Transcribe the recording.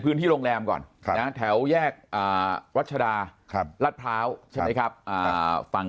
พื้นที่โรงแรมก่อนนะแถวแยกรัชดารัฐพร้าวใช่ไหมครับฝั่ง